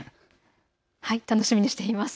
楽しみにしています。